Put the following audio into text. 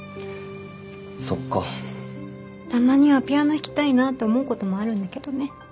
そっかたまにはピアノ弾きたいなって思うこともあるんだけどね